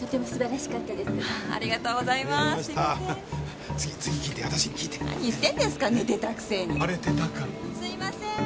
すいません。